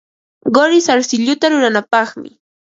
Quri sarsilluta ruranapaqmi.